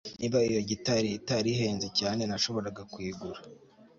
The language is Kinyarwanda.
niba iyo gitari itari ihenze cyane, nashoboraga kuyigura